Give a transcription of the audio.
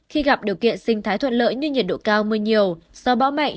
khi gặp điều kiện sinh thái thuận lợi như nhiệt độ cao mưa nhiều do bão mạnh